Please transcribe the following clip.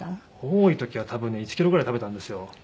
多い時は多分ね１キロぐらい食べたんですよ。